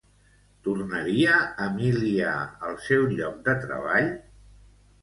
Tornaria Emilia al seu lloc de treball?